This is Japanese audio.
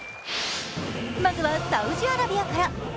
まずはサウジアラビアから。